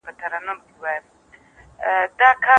نه مي لاس د چا په وینو دی لړلی